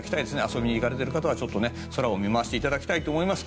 遊びに行かれている方は空を見回していただきたいと思います。